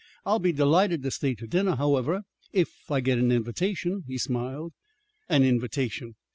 I'll be delighted to stay to dinner, however, if I get an invitation," he smiled. "An invitation!